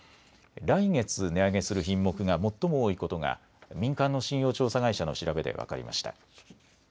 来月、値上げする品目が最も多いことが民間の信用調査会社の調べで分かりました。